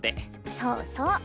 そうそう。